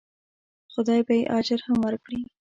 خدای به یې اجر هم ورکړي.